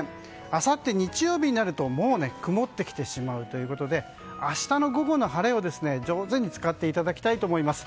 あさって日曜日になると曇ってきてしまうということで明日の午後の晴れを上手に使っていただきたいと思います。